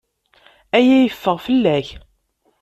Aya yeffeɣ fell-ak.